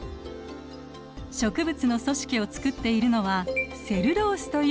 植物の組織を作っているのはセルロースという繊維。